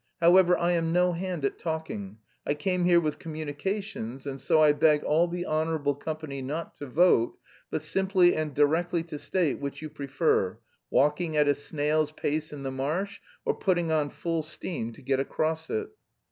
However, I am no hand at talking; I came here with communications, and so I beg all the honourable company not to vote, but simply and directly to state which you prefer: walking at a snail's pace in the marsh, or putting on full steam to get across it?"